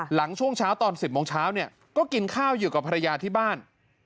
ช่วงเช้าตอน๑๐โมงเช้าเนี่ยก็กินข้าวอยู่กับภรรยาที่บ้าน